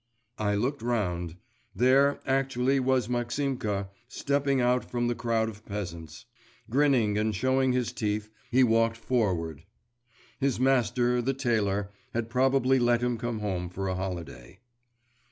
I looked round.… There, actually, was Maximka, stepping out from the crowd of peasants. Grinning and showing his teeth, he walked forward. His master, the tailor, had probably let him come home for a holiday.